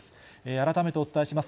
改めてお伝えします。